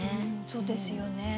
そうですよね。